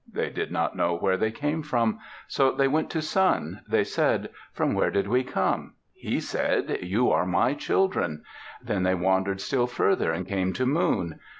They did not know where they came from, so they went to Sun. They said, "From where did we come?" He said, "You are my children." Then they wandered still further and came to Moon.